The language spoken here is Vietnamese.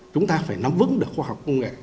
chúng ta phải nắm vững được khoa học công nghệ